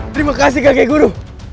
terima kasih kakek guru